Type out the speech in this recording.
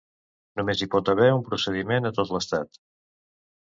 Només hi pot haver un procediment a tot l'Estat.